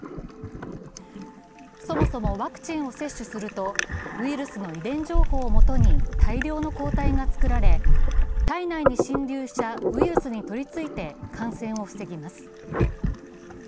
そもそもワクチンを接種するとウイルスの遺伝情報をもとに大量の抗体が作られ、体内に侵入したウイルスにとりついて感染を防ぎます。